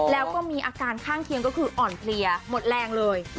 แล้วก็มีอาการข้างเคียงก็คืออ่อนเพลียหมดแรงเลย